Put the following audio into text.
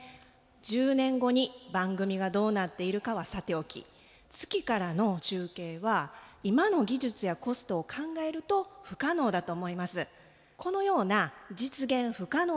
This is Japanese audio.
１０年後に番組がどうなっているかはさておき月からの中継は今の技術やコストを考えると不可能だと思います。